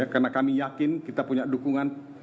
karena kami yakin kita punya dukungan